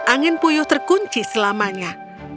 angin puyuh terkunci selamanya